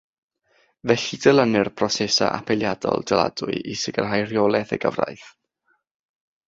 Felly dilynir prosesau apeliadol dyladwy i sicrhau rheolaeth y gyfraith.